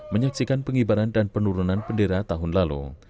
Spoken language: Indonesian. menyaksikan pengibaran dan penurunan bendera tahun lalu